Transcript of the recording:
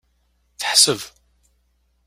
Teḥseb.